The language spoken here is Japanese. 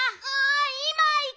いまいく。